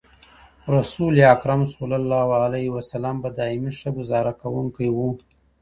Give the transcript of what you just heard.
رسول اکرم صلی الله عليه وسلم به دائمي ښه ګذاره کوونکی وو